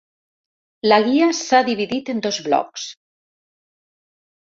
La guia s’ha dividit en dos blocs.